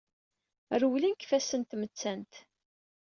Rewlen seg ifassen n tmettant.